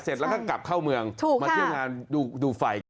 เสร็จแล้วก็กลับเข้าเมืองมาเที่ยวงานดูไฟ